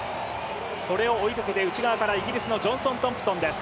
それを追いかけて内側からジョンソン・トンプソンです。